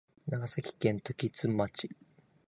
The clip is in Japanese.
長崎県時津町